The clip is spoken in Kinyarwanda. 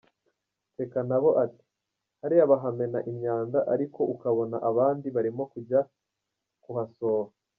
Nsekanabo ati “Hariya bahamena imyanda ariko ukabona abandi barimo kujya kuhasoba.